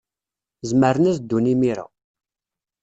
Zemren ad ddun imir-a.